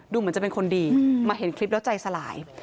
เหมือนจะเป็นคนดีมาเห็นคลิปแล้วใจสลาย